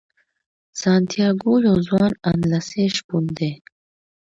سانتیاګو یو ځوان اندلسي شپون دی.